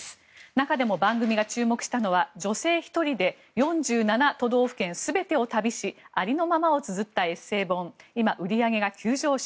中でも番組が注目したのは女性１人で４７都道府県全てを旅しありのままをつづったエッセー本今、売り上げが急上昇。